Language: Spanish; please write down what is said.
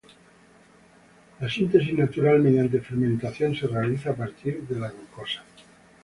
La síntesis natural mediante fermentación se realiza a partir de la glucosa.